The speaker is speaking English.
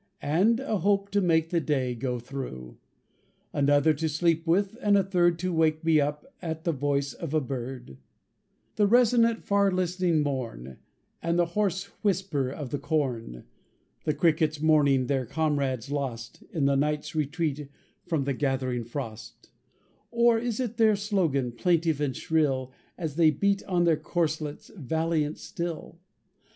And a hope to make the day go through, Another to sleep with, and a third To wake me up at the voice of a bird; The resonant far listening morn, And the hoarse whisper of the corn; The crickets mourning their comrades lost, In the night's retreat from the gathering frost; (Or is it their slogan, plaintive and shrill, As they beat on their corselets, valiant still?)